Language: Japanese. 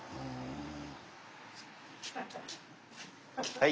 はい。